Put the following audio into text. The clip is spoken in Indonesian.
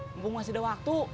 mungkin masih ada waktu